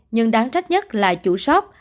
nhưng đáng trách nhất là chủ shop